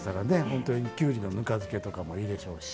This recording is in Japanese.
ほんとにきゅうりのぬか漬けとかもいいでしょうし。